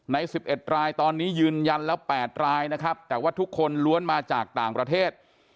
ใน๑๑รายตอนนี้ยืนยันแล้ว๘รายนะครับแต่ว่าทุกคนล้วนมาจากต่างประเทศ